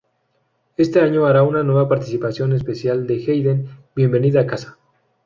Este año hará una nueva participación especial de Heidi, bienvenida a casa.